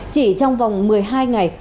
chỉ trong vòng một mươi hai ngày